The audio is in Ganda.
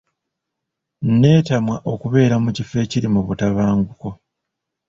Neetamwa okubeera mu kifo ekirimu butabanguko.